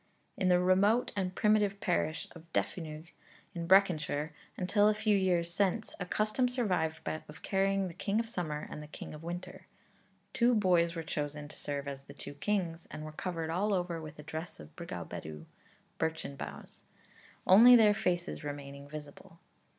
In the remote and primitive parish of Defynog, in Breconshire, until a few years since, a custom survived of carrying the King of Summer and the King of Winter. Two boys were chosen to serve as the two kings, and were covered all over with a dress of brigau bedw, (birchen boughs,) only their faces remaining visible.